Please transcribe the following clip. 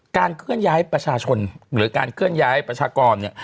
เคลื่อนย้ายประชาชนหรือการเคลื่อนย้ายประชากรเนี่ย